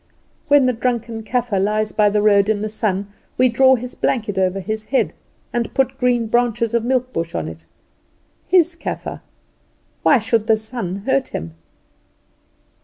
When the drunken Kaffer lies by the road in the sun we draw his blanket over his head, and put green branches of milk bush on it. His Kaffer; why should the sun hurt him?